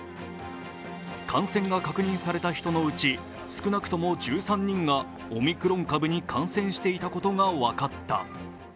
感染が確認された人のうち少なくとも１３人がオミクロン株に感染していたことが分かった。